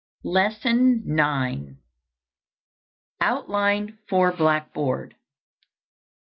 LESSON IX. OUTLINE FOR BLACKBOARD.